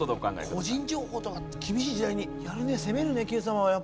個人情報とか厳しい時代にやるね攻めるね『Ｑさま！！』はやっぱ。